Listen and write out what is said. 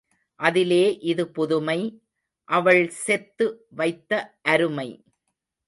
அதிலே இது புதுமை, அவள் செத்து வைத்த அருமை.